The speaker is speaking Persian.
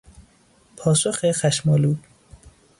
پاسخ خشمآلود